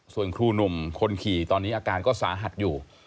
ส่วนครูหนุ่มคนขี่ตอนนี้อาการก็สาหัสอยู่